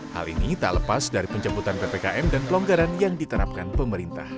hal ini tak lepas dari penjemputan ppkm dan pelonggaran yang diterapkan pemerintah